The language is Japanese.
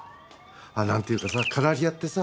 あっなんていうかさ